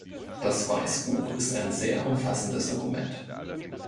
Das Weißbuch ist ein sehr umfassendes Dokument.